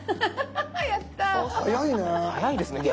早いね。